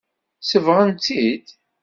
Sebɣent-t-id.